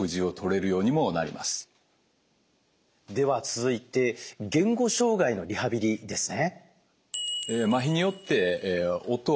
では続いて言語障害のリハビリですね。